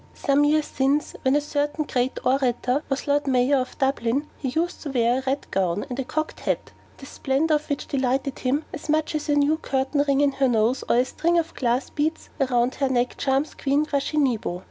Some years since, when a certain great orator was Lord Mayor of Dublin, he used to wear a red gown and a cocked hat, the splendour of which delighted him as much as a new curtain ring in her nose or a string of glass beads round her neck charms Queen Quasheeneboo.